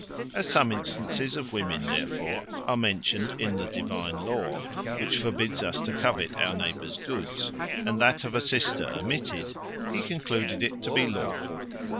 As some instances of women, therefore, are mentioned in the divine law, which forbids us to covet our neighbour's goods, and that of a sister omitted, he concluded it to be lawful.